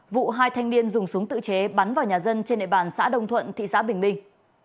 vụ hai thanh niên dùng súng tự chế bắn vào nhà dân trên địa bàn xã đồng thuận thị xã bình minh